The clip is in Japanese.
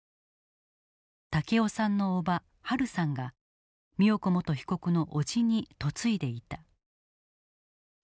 武雄さんのおばハルさんが美代子元被告の叔父に嫁いでいた。